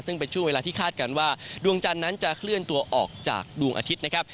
ซึ่งเป็นช่วงเวลาที่คาดการณ์ว่าดวงจันทร์นั้นจะเคลื่อนตัวออกจากดวงอาทิตย์นะครับ